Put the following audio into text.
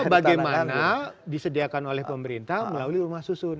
bagaimana disediakan oleh pemerintah melalui rumah susun